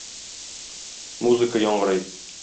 Музыка яңгырый.